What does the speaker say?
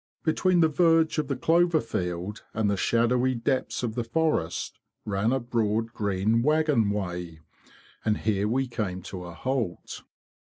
Between the verge of the clover field and the shadowy depths of the forest ran a broad green waggon way; and here we came to a halt.